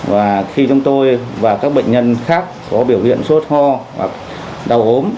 và khi chúng tôi và các bệnh nhân khác có biểu hiện sốt ho hoặc đau gốm